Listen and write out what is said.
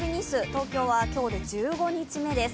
東京は今日で１５日目です。